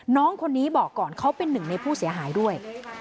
น้องคนนี้บอกก่อนเขาเป็นหนึ่งในผู้เสียหายด้วย